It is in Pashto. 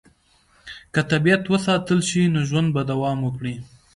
که طبیعت وساتل شي، نو ژوند به دوام وکړي.